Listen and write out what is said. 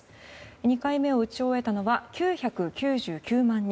２回目を打ち終えたのは９９９万人。